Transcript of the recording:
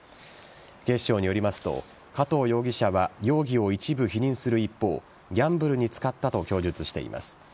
警視庁によりますと加藤容疑者は容疑を一部否認する一方ギャンブルに使ったと供述しています。